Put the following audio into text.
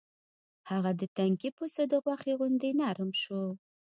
هغه د تنکي پسه د غوښې غوندې نرم شو.